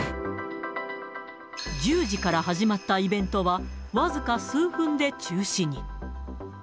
１０時から始まったイベントは、僅か数分で中止に。